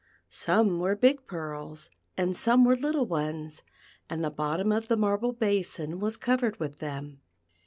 Some were big pearls and some were little ones, and the bottom of the marble basin was covered with them.